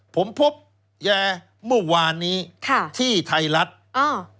ผมพบแย่เมื่อวานนี้ที่ไทยรัฐค่ะเออ